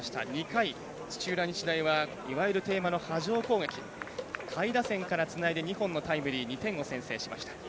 ２回、土浦日大はいわゆるテーマの波状攻撃下位打線からつないで２本のタイムリー２点を先制しました。